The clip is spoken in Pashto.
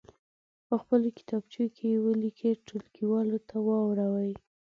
په خپلو کتابچو کې یې ولیکئ ټولګیوالو ته واوروئ.